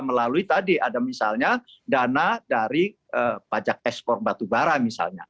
melalui tadi ada misalnya dana dari pajak ekspor batubara misalnya